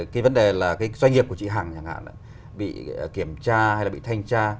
cái vấn đề là cái doanh nghiệp của chị hằng chẳng hạn bị kiểm tra hay là bị thanh tra